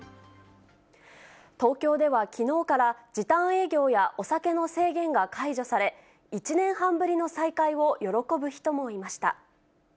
東京では、きのうから時短営業やお酒の制限が解除され、１年半ぶりの再会を喜ぶ人もいました。